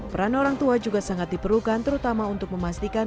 peran orang tua juga sangat diperlukan terutama untuk memastikan